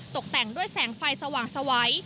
ตกแต่งด้วยแสงไฟสว่างสวัย